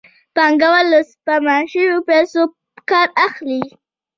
پانګوال له سپما شویو پیسو کار اخلي